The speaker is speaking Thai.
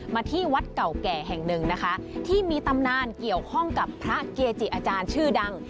ที่วัดเก่าแก่แห่งหนึ่งนะคะที่มีตำนานเกี่ยวข้องกับพระเกจิอาจารย์ชื่อดัง